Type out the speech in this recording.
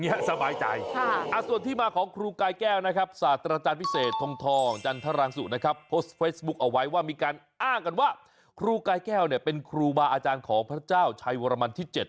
มีบุคเอาไว้ว่ามีการอ้างกันว่าครูกายแก้วเป็นครูบาอาจารย์ของพระเจ้าชัยวรมันที่๗